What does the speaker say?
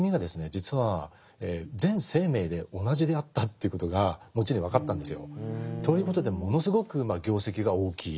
実は全生命で同じであったということが後に分かったんですよ。ということでものすごく業績が大きい。